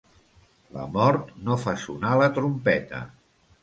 La mort no fa sonar la trompeta.